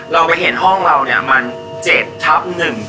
เราไปเห็นห้องเราเนี่ยมัน๗ทับ๑